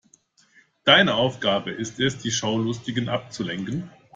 Deine Aufgabe ist es, die Schaulustigen abzulenken.